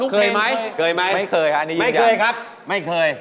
เคยไหมเคยไหมไม่เคยฮะอันนี้ยืนยันเคยครับไม่เคย